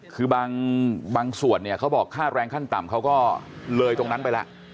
คือบางส่วนเนี่ยเขาบอกค่าแรงขั้นต่ำเขาก็เลยตรงนั้นไปแล้ว